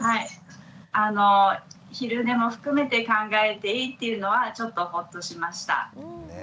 昼寝も含めて考えていいっていうのはちょっとほっとしました。